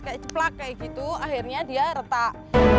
keplak kayak gitu akhirnya dia retak